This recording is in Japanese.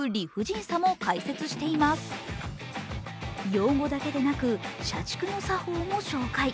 用語だけでなく社畜の作法も紹介。